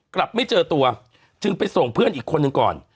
กลับไม่เจอตัวจึงไปส่งเพื่อนอีกคนหนึ่งก่อน